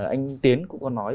anh tiến cũng có nói